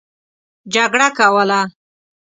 جګړه کوله.